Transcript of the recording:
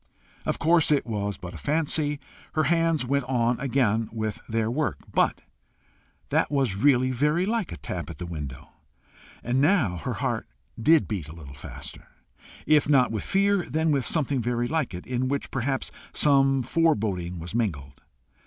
Of course it was but a fancy! Her hands went on again with their work. But that was really very like a tap at the window! And now her heart did beat a little faster, if not with fear, then with something very like it, in which perhaps some foreboding was mingled.